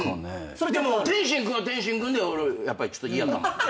でも天心君は天心君でやっぱりちょっと嫌かも。